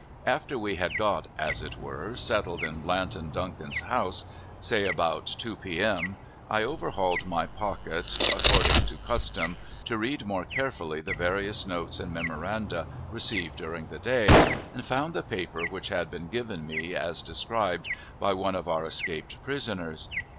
After we had got, as it were, settled in Blanton Duncan's house, say about 2 p.m., I overhauled my pocket according to custom, to read more carefully the various notes and memoranda received during the day, and found the paper which had been given me, as described, by one of our escaped prisoners.